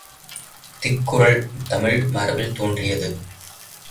திக்குறள் தமிழ் மரபில் தோன்றியது.